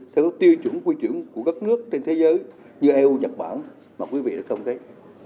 theo các tiêu chuẩn quy chuẩn của các nước trên thế giới như eu nhật bản mà quý vị đã không thấy